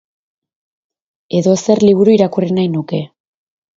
Edozer liburu irakurri nahi nuke.